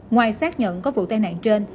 ngoài xác nhận có vụ tai nạn trên